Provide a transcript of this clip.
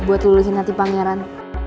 buat luluhin hati pangeran